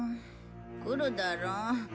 来るだろ。